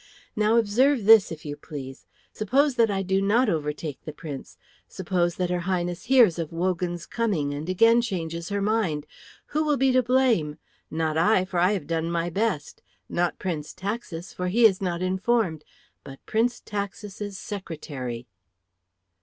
Now observe this, if you please. Suppose that I do not overtake the Prince; suppose that her Highness hears of Wogan's coming and again changes her mind, who will be to blame? Not I, for I have done my best, not Prince Taxis, for he is not informed, but Prince Taxis's secretary."